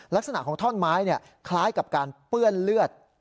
ลักษณะของท่อนไม้คล้ายกับการเปื้อนเลือด